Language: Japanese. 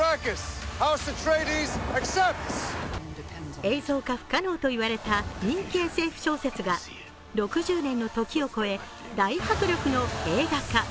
映像化不可能と言われた人気ＳＦ小説が６０年の時を越え大迫力の映画化。